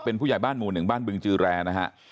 เป็นผู้ใหญ่บ้านหมู่๑บ้านบึงจือแรร์นะฮะ